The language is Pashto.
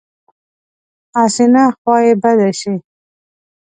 هسې نه خوا یې بده شي.